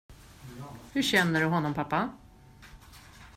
Hur känner du honom, pappa?